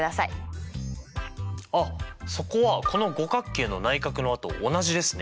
あっそこはこの五角形の内角の和と同じですね。